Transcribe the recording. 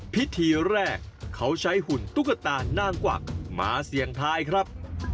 พิธีแรกเขาใช้หุ่นตุ๊กตานางกวักมาเสี่ยงทายครับ